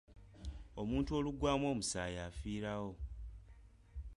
Omuntu oluggwamu omusaayi afiirawo.